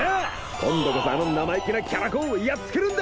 今度こそあの生意気なキャラ公をやっつけるんだ！